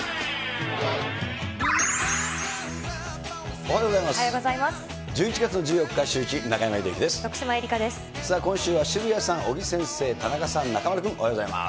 おはようございます。